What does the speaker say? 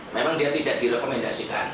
memang dia tidak direkomendasikan